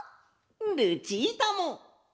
ルチータも！